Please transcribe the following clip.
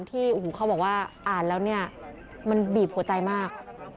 ที่โอ้โหเขาบอกว่าอ่านแล้วเนี่ยมันบีบหัวใจมาก